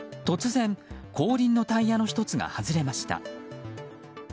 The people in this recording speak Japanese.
突然、後輪のタイヤの１つが外れました。